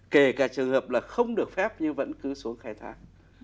kể cả trường hợp là không được phép nhưng vẫn cứ xuống khai thác